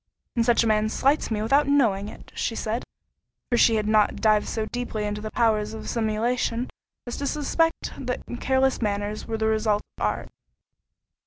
"And such a man slights me without knowing it," she said—for she had not dived so deeply into the powers of simulation, as to suspect that such careless manners were the result of art.